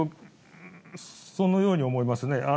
そのように思いますね。